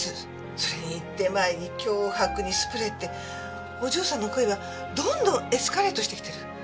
それに出前に脅迫にスプレーってお嬢さんの行為はどんどんエスカレートしてきてる。